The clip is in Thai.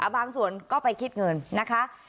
บางส่วนก็ไปคิดเงินนะคะ